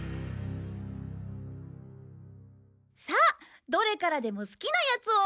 さあどれからでも好きなやつを。